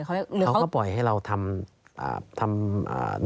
เขาก็ปล่อยให้เราทำ